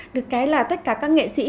được cái là tất cả các nghệ sĩ